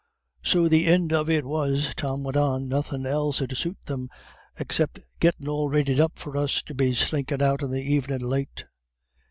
"So the ind of it was," Tom went on, "nothin' else 'ud suit them except gettin' all readied up for us to be slinkin' out in the evenin' late.